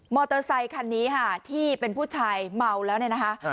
เตอร์ไซคันนี้ค่ะที่เป็นผู้ชายเมาแล้วเนี่ยนะคะ